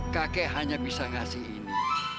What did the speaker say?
kakek hanya bisa ngasih ini